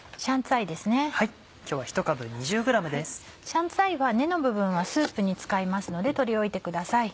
香菜は根の部分はスープに使いますので取り置いてください。